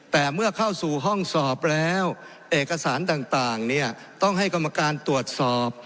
แต่เมื่อเข้าสู่ห้องสอบแล้วเอกสารต่างเนี่ยต้องให้กรรมการตรวจสอบ